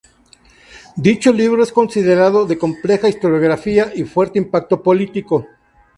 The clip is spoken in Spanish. Dicho libro es considerado de compleja historiografía y fuerte impacto político.